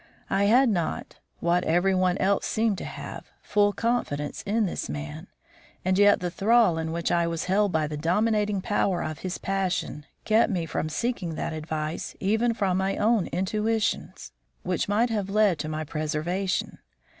I had not, what every one else seemed to have, full confidence in this man, and yet the thrall in which I was held by the dominating power of his passion, kept me from seeking that advice even from my own intuitions, which might have led to my preservation.